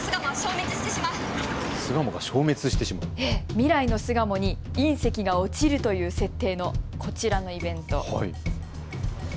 未来の巣鴨に隕石が落ちるという設定のこちらのイベント。